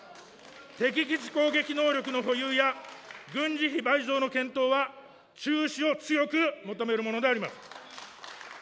敵基地攻撃能力の保有や軍事費倍増の検討は中止を強く求めるものであります。